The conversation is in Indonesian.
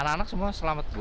anak anak semua selamat